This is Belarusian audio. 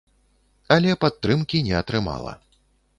Але падтрымкі не атрымала.